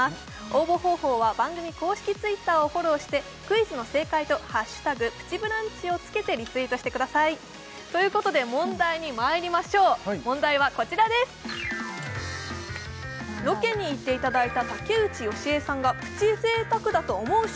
応募方法は番組公式Ｔｗｉｔｔｅｒをフォローしてクイズの正解と「＃プチブランチ」をつけてリツイートしてくださいということで問題にまいりましょう問題はこちらです！ということでお考えください